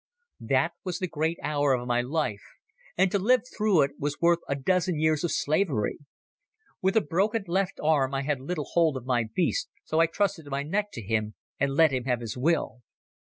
That was the great hour of my life, and to live through it was worth a dozen years of slavery. With a broken left arm I had little hold on my beast, so I trusted my neck to him and let him have his will.